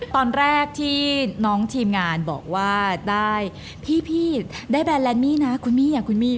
ตอนแรกที่น้องทีมงานบอกว่าได้พี่ได้แบนแลนดมี่นะคุณมี่อย่างคุณมี่